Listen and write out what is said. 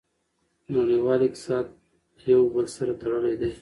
نړیوال اقتصاد یو بل سره تړلی دی.